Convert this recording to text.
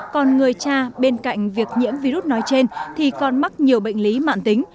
còn người cha bên cạnh việc nhiễm virus nói trên thì còn mắc nhiều bệnh lý mạng tính